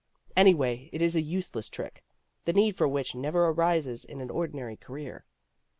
Anyway it is a useless trick, the need for which never arises in an ordinary career.